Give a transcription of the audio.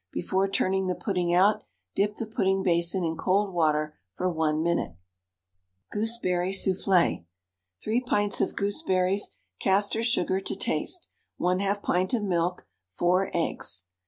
Before turning the pudding out, dip the pudding basin in cold water for 1 minute. GOOSEBERRY SOUFFLÉ. 3 pints of gooseberries, castor sugar to taste, 1/2 pint of milk, 4 eggs.